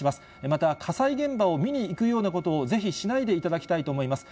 また、火災現場を見に行くようなことをぜひしないでいただきたいと思います。